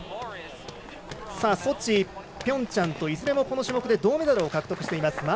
ソチ、ピョンチャンといずれもこの種目で銅メダルを獲得しています